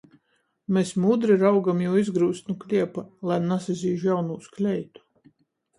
Mes mudri raugom jū izgryust nu kliepa, lai nasazīž jaunūs kleitu.